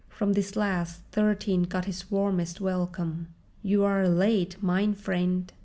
From this last Thirteen got his warmest welcome. "You are late, mine friend."